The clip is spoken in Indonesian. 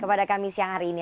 kepada kami siang hari ini